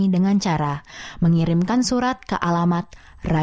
seorang tuhan yang luar biasa